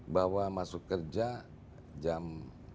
bahwa masuk kerja jam tujuh tiga puluh